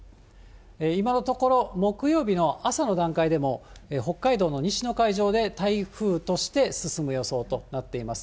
今のところ、木曜日の朝の段階でも、北海道の西の海上で、台風として進む予想となっています。